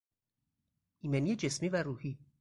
ایمنی جسمی و روحی